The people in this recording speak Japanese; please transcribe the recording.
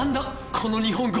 この日本語。